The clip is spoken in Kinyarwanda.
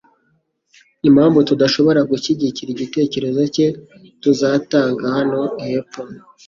Impamvu tudashobora gushyigikira igitekerezo cye tuzatanga hano hepfo